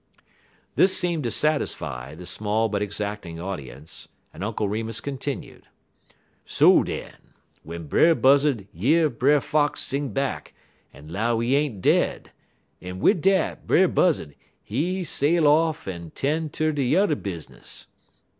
This seemed to satisfy the small but exacting audience, and Uncle Remus continued: "So, den, w'en Brer Buzzud year Brer Fox sing back, he 'low he ain't dead, en wid dat, Brer Buzzud, he sail off en 'ten' ter he yuther business.